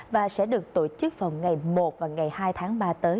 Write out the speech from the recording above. và sẽ được tổ chức vào ngày một và ngày hai tháng ba tới